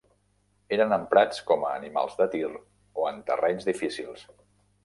Eren emprats com a animals de tir o en terrenys difícils.